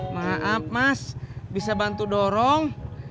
maaf mas bisa bantu dorong